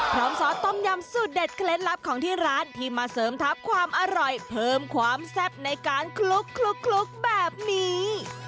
ซอสต้มยำสูตรเด็ดเคล็ดลับของที่ร้านที่มาเสริมทัพความอร่อยเพิ่มความแซ่บในการคลุกแบบนี้